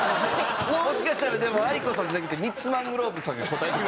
もしかしたらでもａｉｋｏさんじゃなくてミッツ・マングローブさんが答える。